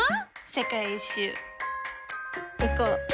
世界一周いこう。